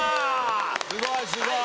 すごいすごい！